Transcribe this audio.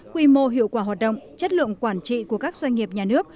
quy mô hiệu quả hoạt động chất lượng quản trị của các doanh nghiệp nhà nước